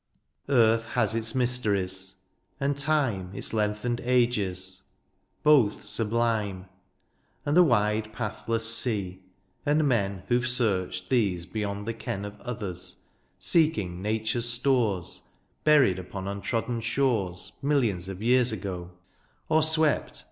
Earth has its mysteries, and time Its lengthened ages — ^both sublime — And the wide pathless sea — ^and men Who've searched these beyond the ken Of others, seeking nature's stores THE ARBOPAGITE. 97 Buried upon untrodden shores Millions of years ago ; or swept.